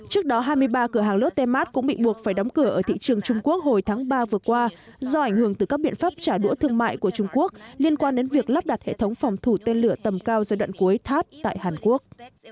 trước đó hai mươi ba cửa hàng lotte mart cũng bị buộc phải đóng cửa ở thị trường trung quốc hồi tháng ba vừa qua do ảnh hưởng từ các biện pháp trả đũa thương mại của trung quốc liên quan đến việc lắp đặt hệ thống phòng thủ tên lửa tầm cao giai đoạn cuối thắt tại hàn quốc